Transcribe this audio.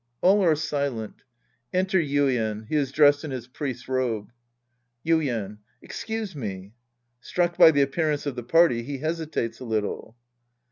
{All are silent. Enter Yuien. He is dressed in his priest's robe.) Yuien. Excuse me. {Struck by the appearance of the party, he hesitates a little!)